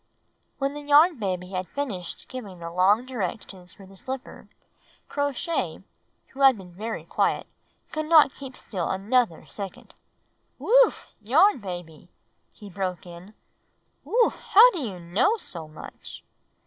"" When the Yarn Baby had finished giving the long directions for the slippers, Crow Shay, who had been very quiet, could not keep still another second. "Whew! Yarn Baby!" he broke in. "Whew! How do you know so much?